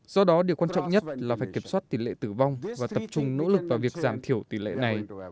do đó điều quan trọng nhất là phải kiểm soát tỷ lệ tử vong và tập trung nỗ lực vào việc giảm thiểu tỷ lệ này